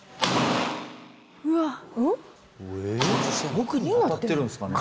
奥に当たってるんですかね。